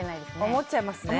思っちゃいますね。